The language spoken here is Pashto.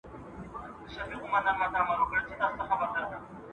په امان به سي کورونه د پردیو له سپاهیانو